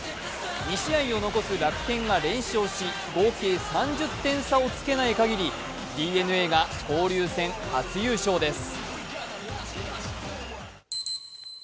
２試合を残す楽天が連勝し合計３０点差をつけないかぎりＤｅＮＡが交流戦初優勝です。